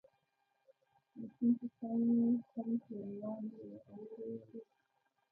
د سیند په څنګ څنګ کې روان و او ورو ورو.